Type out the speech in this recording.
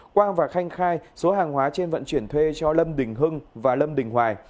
quang và khanh khai số hàng hóa trên vận chuyển thuê cho lâm đình hưng và lâm đình hoài